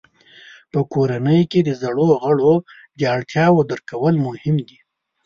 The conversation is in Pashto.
په کورنۍ کې د زړو غړو د اړتیاوو درک کول مهم دي.